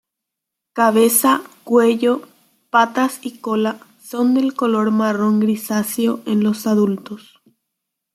Cabeza, cuello, patas y cola son de color marrón grisáceo en los adultos.